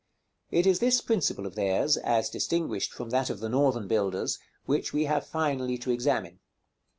It is this principle of theirs, as distinguished from that of the Northern builders, which we have finally to examine.